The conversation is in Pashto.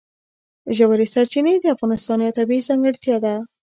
ژورې سرچینې د افغانستان یوه طبیعي ځانګړتیا ده.